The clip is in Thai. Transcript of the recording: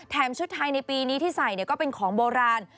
ชุดไทยในปีนี้ที่ใส่ก็เป็นของโบราณ